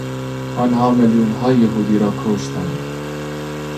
آنها میلیون ها یهودی را کشتند.